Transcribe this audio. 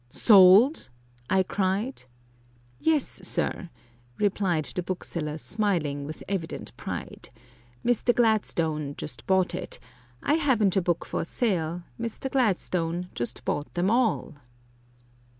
"Sold?" I cried. "Yes, sir," replied the bookseller, smiling with evident pride; "Mr. Gladstone just bought it; I haven't a book for sale Mr. Gladstone just bought them ALL!"